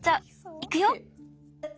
いくよ。